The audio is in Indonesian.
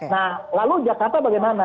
nah lalu jakarta bagaimana